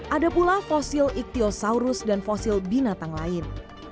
ada pula fosil ikhtiosaurus dan fosil binatang lain